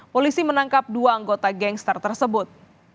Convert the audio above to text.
polisi menangkap dua anggota gangster tersebut